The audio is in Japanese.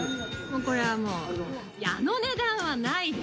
これはもうあの値段はないですよ。